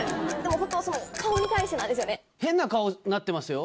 ホントその顔に対してなんですよね。